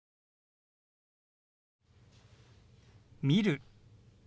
「見る」。